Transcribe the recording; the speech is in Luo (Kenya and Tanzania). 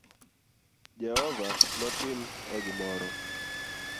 Jehova notim e gimoro